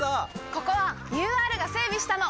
ここはＵＲが整備したの！